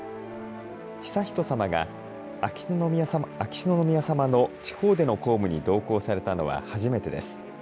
悠仁さまが秋篠宮さまの地方での公務に同行されたのは初めてです。